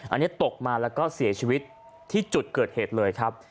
อันนี้ตกมาแล้วก็เสียชีวิตที่จุดเกิดเหตุเลยครับ